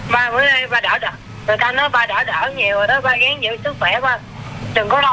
ba mẹ ba đỏ người ta nói ba đỏ đỡ nhiều rồi đó